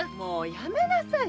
やめなさい。